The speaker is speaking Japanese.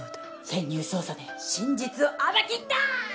潜入捜査で真実を暴き出す！